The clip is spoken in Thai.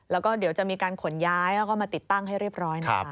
แล้วก็เดี๋ยวจะมีการขนย้ายแล้วก็มาติดตั้งให้เรียบร้อยนะคะ